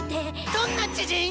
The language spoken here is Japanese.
どんな知人⁉